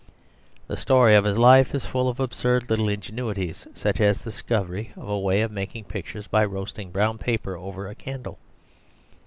The story of his life is full of absurd little ingenuities, such as the discovery of a way of making pictures by roasting brown paper over a candle.